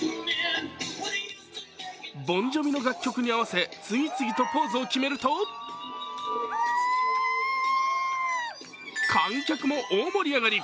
ＢｏｎＪｏｖｉの楽曲に合わせ次々とポーズを決めると観客も大盛り上がり。